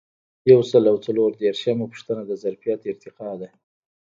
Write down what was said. یو سل او څلور دیرشمه پوښتنه د ظرفیت ارتقا ده.